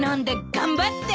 頑張って！